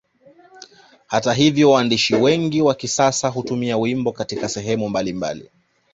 Hata hivyo waandishi wengi wa kisasa hutumia wimbo Katika sehemu mbalimbali